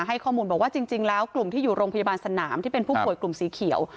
ให้ข้อมูลบอกว่าจริงแล้วกลุ่มที่อยู่โรงพยาบาลสนามที่เป็นผู้ป่วยกลุ่มสีเขียว